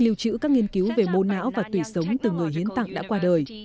lưu trữ các nghiên cứu về mô não và tủy sống từ người hiến tặng đã qua đời